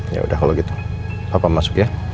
yaudah kalau gitu papa masuk ya